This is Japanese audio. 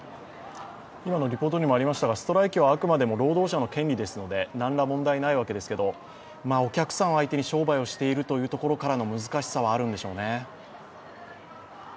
ストライキはあくまでも労働者の権利ですので何の問題もないですけどお客さん相手に商売しているというところからの難しさはあるんでしょうね。